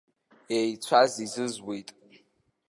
Еицәаз изызуит.